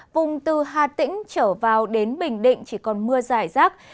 vùng từ hà tĩnh trở vào đến bình định chỉ còn mưa dài rác